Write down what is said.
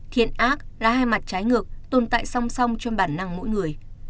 thiện ác là hai mặt trái ngược tồn tại song song trong bản năng mỗi người